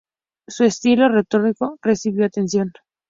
Su estilo retórico recibió atención.